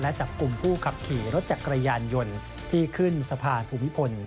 และจับกลุ่มผู้ขับขี่รถจักรยานยนต์ที่ขึ้นสะพานภูมิพล